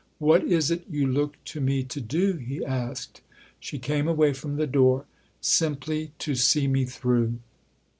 " What is it you look to me to do ?" he asked. She came away from the door. " Simply to see me through."